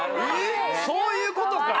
そういうことか。